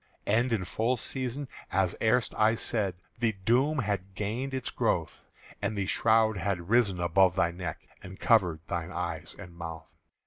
"And in full season, as erst I said, The doom had gained its growth; And the shroud had risen above thy neck And covered thine eyes and mouth.